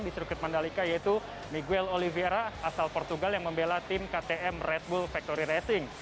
di sirkuit mandalika yaitu miguel oliviera asal portugal yang membela tim ktm red bull factory racing